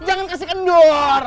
jangan kasih kendur